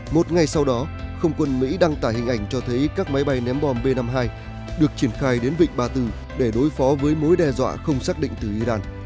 một ngày sau đó không quân mỹ đăng tải hình ảnh cho thấy các máy bay ném bom b năm mươi hai được triển khai đến vịnh ba tư để đối phó với mối đe dọa không xác định từ iran